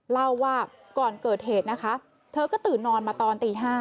เล่าว่าก่อนเกิดเหตุนะคะเธอก็ตื่นนอนมาตอนตี๕